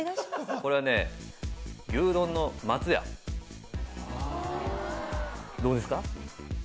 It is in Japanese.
これはね牛丼の松屋どうですか？